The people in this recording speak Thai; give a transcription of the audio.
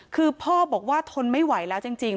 คือพ่อบอกว่าทนไม่ไหวแล้วจริง